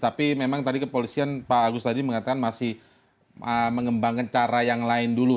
tapi memang tadi kepolisian pak agus tadi mengatakan masih mengembangkan cara yang lain dulu